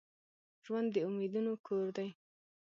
ژوند د امیدونو کور دي.